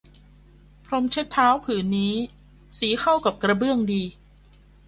พรมเช็ดเท้าผืนนี้สีเข้ากับกระเบื้องดี